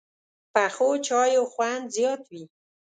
پخو چایو خوند زیات وي